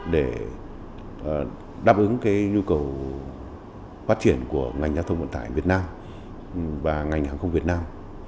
để đáp ứng nhu cầu phát triển của ngành giao thông vận tải việt nam và ngành hàng không việt nam